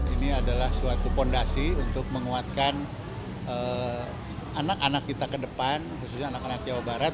ini adalah suatu fondasi untuk menguatkan anak anak kita ke depan khususnya anak anak jawa barat